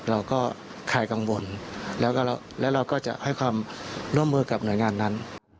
เราก็ใครกังวลแล้วเราก็จะให้ความร่วมมือกับหน่วยงานนั้น